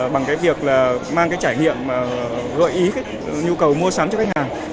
bằng việc mang trải nghiệm gợi ý nhu cầu mua sắm cho khách hàng